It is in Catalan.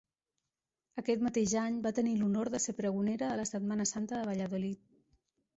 Aquest mateix any va tenir l'honor de ser pregonera de la Setmana Santa de Valladolid.